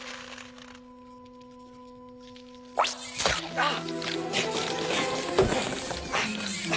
あっ！